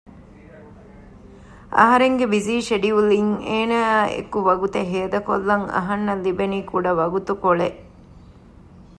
އަހަރެންގެ ބިޒީ ޝެޑިއުލްއިން އޭނައާއިއެކު ވަގުތު ހޭދަކޮށްލަން އަހަންނަށް ލިބެނީ ކުޑަ ވަގުތުކޮޅެއް